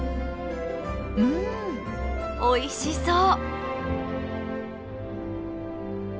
うんおいしそう！